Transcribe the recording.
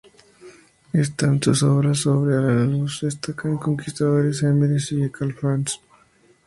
Entre sus obras sobre Al-Ándalus destacan "Conquistadores, emires y califas.